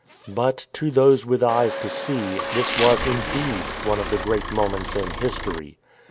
But, to those with eyes to see, this was, indeed, one of the great moments in history.